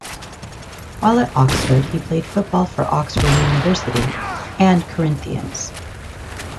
While at Oxford he played football for Oxford University and Corinthians.